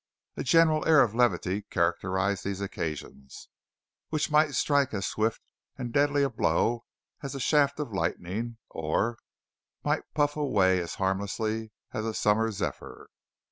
A general air of levity characterized these occasions, which might strike as swift and deadly a blow as a shaft of lightning, or might puff away as harmlessly as a summer zephyr.